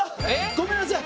ごめんなさい。